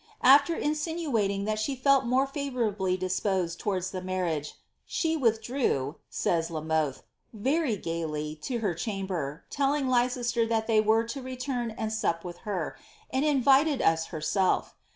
After insiJiuai ing that she fell more favourably disposed towanis the marriage, she withdrew," says La Mothe, " very gady, lo her chamber, lelling Leices ter llial we were lo relurn and sup wiih her. and inviied us herself.